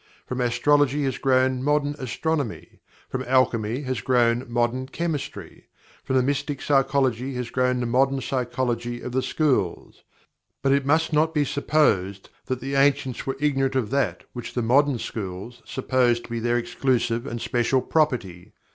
From astrology has grown modern astronomy; from alchemy has grown modern chemistry; from the mystic psychology has grown the modern psychology of the schools. But it must not be supposed that the ancients were ignorant of that which the modern schools suppose to be their exclusive and special property.